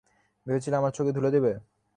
ভেবেছিল আমার চোখে ধুলো দেবে?